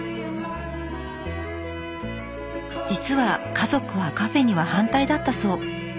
実は家族はカフェには反対だったそう。